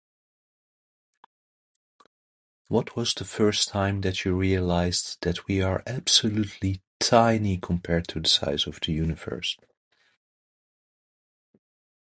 What was the first time that you realized that we are absolutely tiny compared to the size of the universe?